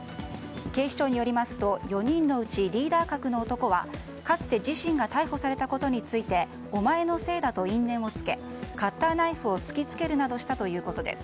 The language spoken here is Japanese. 警視庁によりますと４人のうちリーダー格の男はかつて自身が逮捕されたことについてお前のせいだと因縁をつけカッターナイフを突きつけるなどしたということです。